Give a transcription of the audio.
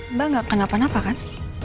mbak gak kena panah apa kan